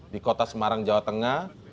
di kota semarang jawa tengah